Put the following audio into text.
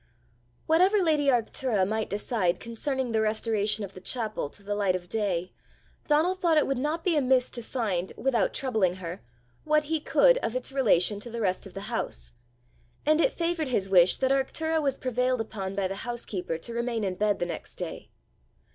Whatever lady Arctura might decide concerning the restoration of the chapel to the light of day, Donal thought it would not be amiss to find, without troubling her, what he could of its relation to the rest of the house: and it favoured his wish that Arctura was prevailed upon by the housekeeper to remain in bed the next day.